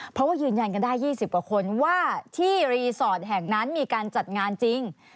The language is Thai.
เพราะว่ายืนยันกันได้๒๐กว่าคนว่าที่รีสอร์ทแห่งนั้นมีการจัดงานจริง